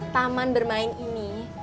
taman bermain ini